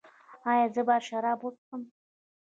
ایا زه باید شراب وڅښم؟